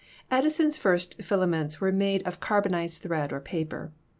Edison's first filaments were made of carbonized thread or paper.